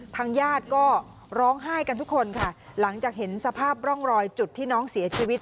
ทางญาติก็ร้องไห้กันทุกคนค่ะหลังจากเห็นสภาพร่องรอยจุดที่น้องเสียชีวิต